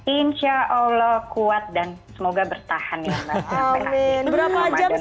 insyaallah kuat dan semoga bertahan ya mbak